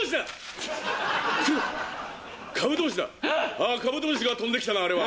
ああカブトムシが飛んで来たなあれは。